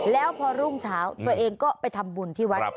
แล้วพอรุ่งเช้าตัวเองก็ไปทำบุญที่วัด